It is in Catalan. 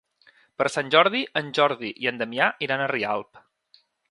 Per Sant Jordi en Jordi i en Damià iran a Rialp.